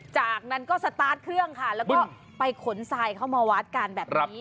จากนั้นก็สตาร์ทเครื่องค่ะแล้วก็ไปขนทรายเข้ามาวัดกันแบบนี้